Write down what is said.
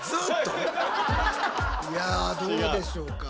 いやどうでしょうか。